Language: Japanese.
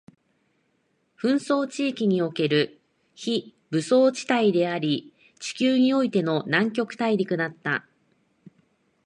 紛争地域における非武装地帯であり、地球においての南極大陸だった